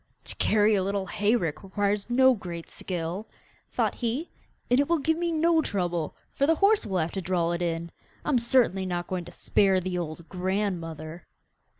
'To carry a little hay rick requires no great skill,' thought he, 'and it will give me no trouble, for the horse will have to draw it in. I am certainly not going to spare the old grandmother.